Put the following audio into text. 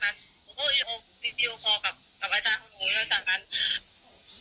เขาก็บอกว่ามีบางสิ่งที่สะกิดเขาอยู่เขาออกมาไม่ได้